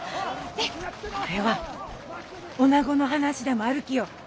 ねえこれはおなごの話でもあるきよ。